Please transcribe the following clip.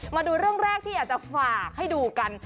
มาดูเรื่องแรกที่อยากจะฝากให้ดูกัน